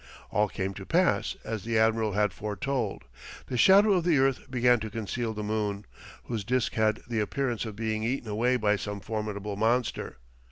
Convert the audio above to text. All came to pass as the admiral had foretold; the shadow of the earth began to conceal the moon, whose disc had the appearance of being eaten away by some formidable monster.